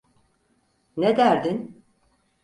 Ne derdin?